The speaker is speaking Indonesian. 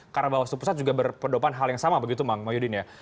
karena bawaslu pusat juga berpendopan hal yang sama begitu bang mahyudin ya